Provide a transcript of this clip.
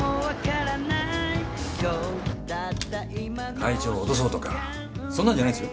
会長を脅そうとかそんなんじゃないんですよ。